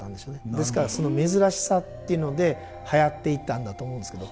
ですからその珍しさっていうのではやっていったんだと思うんですけど。